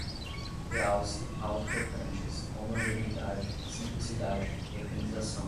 realce, auto-portantes, homogeneidade, simplicidade, mecanização